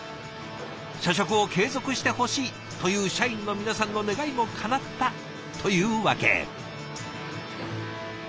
社食を継続してほしいという社員の皆さんの願いもかなったというわけ。